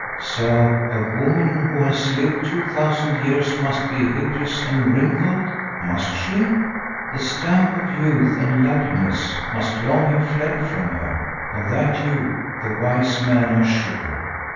So a woman who has lived two thousand years must be hideous and wrinkled, must she? The stamp of youth and loveliness must long have fled from her; of that you, the wise man, are sure.